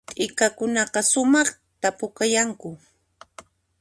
T'ikakunaqa sumaqta pukayanku